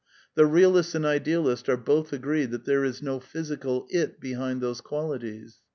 The realist and idealist are both agreed that there is no physical It behind those qualities.